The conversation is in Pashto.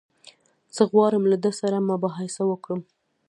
زه غواړم له ده سره مباحثه وکړم.